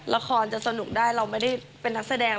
ละครจะสนุกได้เราไม่ได้เป็นนักแสดง